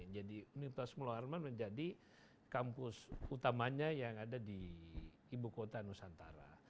jadi unmul menjadi kampus utamanya yang ada di ibu kuota nusantara